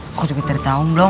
kau juga tertarung belum